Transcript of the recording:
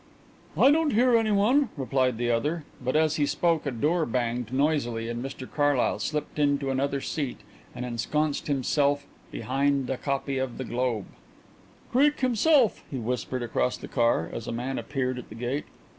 "I don't hear anyone," replied the other, but as he spoke a door banged noisily and Mr Carlyle slipped into another seat and ensconced himself behind a copy of The Globe. "Creake himself," he whispered across the car, as a man appeared at the gate.